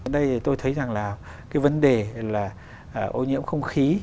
đây thì tôi thấy rằng là cái vấn đề là ô nhiễm không khí